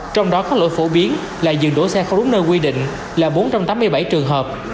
trong đó có lỗi phổ biến là dừng đổ xe không đúng nơi quy định là bốn trăm tám mươi bảy trường hợp